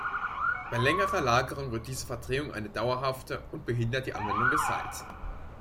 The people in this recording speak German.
Bei längerer Lagerung wird diese Verdrehung eine dauerhafte und behindert die Anwendung des Seiles.